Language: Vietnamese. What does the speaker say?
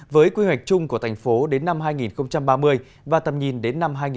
với quy hoạch chung của thành phố đến năm hai nghìn ba mươi và tầm nhìn đến năm hai nghìn bốn mươi